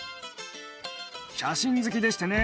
写真好きでしてね。